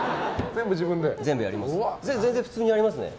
全部普通にやりますね。